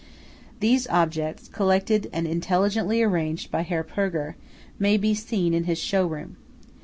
These objects, collected and intelligently arranged by Herr Purger, may be seen in his show room.